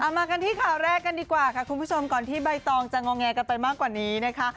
มากันที่ข่าวแรกกันดีกว่าค่ะคุณผู้ชมก่อนที่ใบตองจะงอแงกันไปมากกว่านี้นะคะ